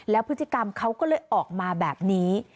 แล้วพฤติกรรมเขาก็เลยออกมาแบบนี้